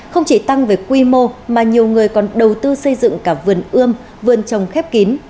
không chỉ tăng về quy mô mà nhiều người còn đầu tư xây dựng cả vườn ươm vườn trồng khép kín